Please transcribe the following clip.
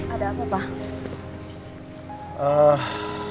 ada apa pak